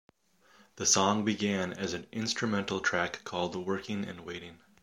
The song began as an instrumental track called "Working and Waiting".